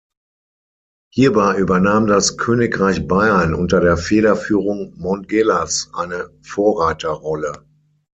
Hierbei übernahm das Königreich Bayern unter der Federführung Montgelas eine Vorreiterrolle.